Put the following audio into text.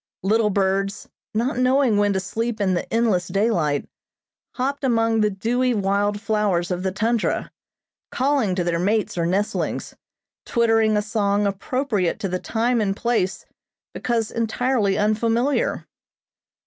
Little birds, not knowing when to sleep in the endless daylight, hopped among the dewy wild flowers of the tundra, calling to their mates or nestlings, twittering a song appropriate to the time and place because entirely unfamiliar.